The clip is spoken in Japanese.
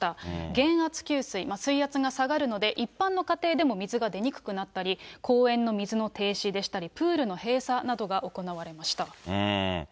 減圧給水、水圧が下がるので、一般の家庭でも水が出にくくなったり、公園の水の停止でしたり、プールの閉鎖などが行われました。